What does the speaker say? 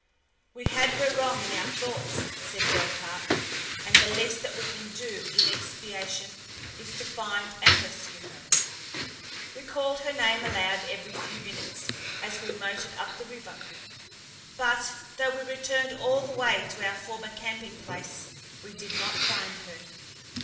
"We had her wrong in our thoughts," said Delcarte, "and the least that we can do in expiation is to find and rescue her." We called her name aloud every few minutes as we motored up the river, but, though we returned all the way to our former camping place, we did not find her.